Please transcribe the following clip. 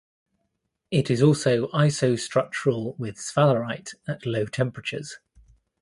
It is also isostructural with sphalerite at low temperatures.